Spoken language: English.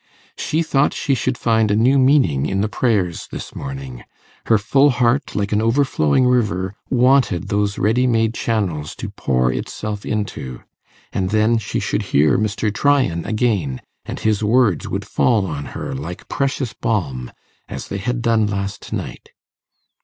She thought she should find a new meaning in the prayers this morning; her full heart, like an overflowing river, wanted those ready made channels to pour itself into; and then she should hear Mr. Tryan again, and his words would fall on her like precious balm, as they had done last night.